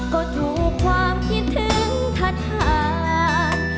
ก็ถูกความคิดถึงทัศน